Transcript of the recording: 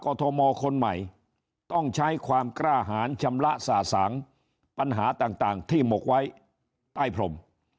ทมคนใหม่ต้องใช้ความกล้าหารชำระสะสางปัญหาต่างที่หมกไว้ใต้พรม